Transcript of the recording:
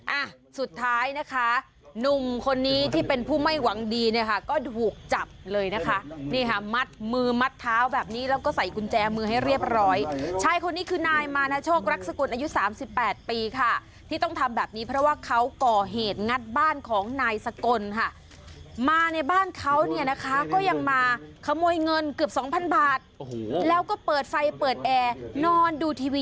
อ่ะสุดท้ายนะคะหนุ่มคนนี้ที่เป็นผู้ไม่หวังดีเนี่ยค่ะก็ถูกจับเลยนะคะนี่ค่ะมัดมือมัดเท้าแบบนี้แล้วก็ใส่กุญแจมือให้เรียบร้อยชายคนนี้คือนายมานาโชครักษกุลอายุสามสิบแปดปีค่ะที่ต้องทำแบบนี้เพราะว่าเขาก่อเหตุงัดบ้านของนายสกลค่ะมาในบ้านเขาเนี่ยนะคะก็ยังมาขโมยเงินเกือบสองพันบาทโอ้โหแล้วก็เปิดไฟเปิดแอร์นอนดูทีวี